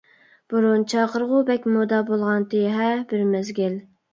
بۇرۇن چاقىرغۇ بەك مودا بولغانتى ھە بىر مەزگىل.